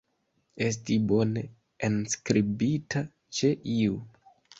Esti bone enskribita ĉe iu.